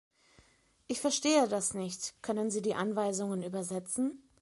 Ich verstehe das nicht; können Sie die Anweisungen übersetzen?